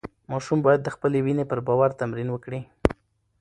ماشوم باید د خپلې وینې پر باور تمرین وکړي.